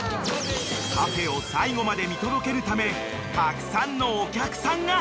［カフェを最後まで見届けるためたくさんのお客さんが！］